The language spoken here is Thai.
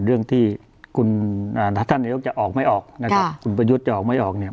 เรื่องที่คุณท่านนายกจะออกไม่ออกนะครับคุณประยุทธ์จะออกไม่ออกเนี่ย